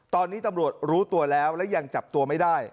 ตอนนี้ตำรวจรู้ตัวแล้วและยังจับตัวไม่ได้